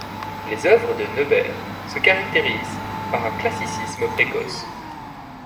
Les œuvres de Neuber se caractérisent par un classicisme précoce.